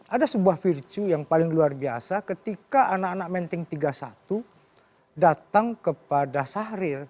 ada sebuah virtue yang paling luar biasa ketika anak anak menteng tiga puluh satu datang kepada sahrir